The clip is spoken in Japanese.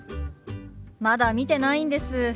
まだ見てないんです。